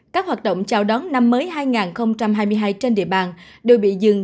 các hoạt động chào đón năm mới hai nghìn hai mươi hai trên địa bàn đều bị dừng